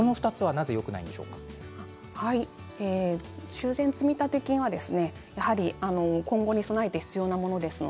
修繕積立金は今後に備えて必要なものです。